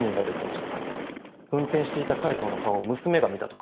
運転していた海藤の顔を娘が見たと。